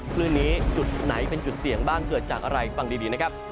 คลื่นนี้จุดไหนเป็นจุดเสี่ยงบ้างเกิดจากอะไรฟังดีนะครับ